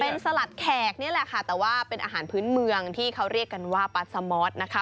เป็นสลัดแขกนี่แหละค่ะแต่ว่าเป็นอาหารพื้นเมืองที่เขาเรียกกันว่าปัสมอสนะคะ